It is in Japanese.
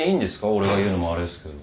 俺が言うのもあれですけど。